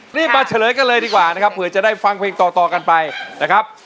รีบมาเฉลยกันเลยดีกว่านะครับเผื่อจะได้ฟังเพลงต่อกันไปนะครับ